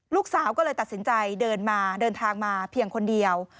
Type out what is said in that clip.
ลูกสาวก็เลยตัดสินใจเดินมาเดินทางมาเพียงคนเดียว